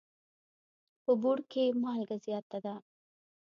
په بوړ کي مالګه زیاته ده.